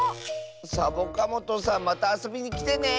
サボカもとさんまたあそびにきてね！